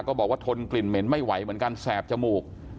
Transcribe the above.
บอกว่าทนกลิ่นเหม็นไม่ไหวเหมือนกันแสบจมูก